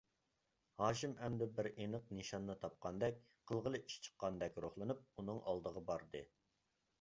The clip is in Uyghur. ھاشىم ئەمدى بىر ئېنىق نىشاننى تاپقاندەك، قىلغىلى ئىش چىققاندەك روھلىنىپ، ئۇنىڭ ئالدىغا باردى.